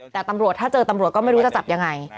แต่ตำรวจก็ไม่รู้จะจับยังไง